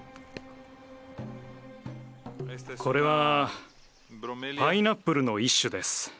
これはパイナップルの一種です。